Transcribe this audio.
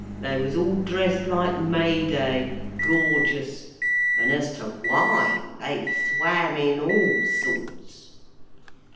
They was all dressed like May Day—gorgeous!—And as to Wine, they swam in all sorts.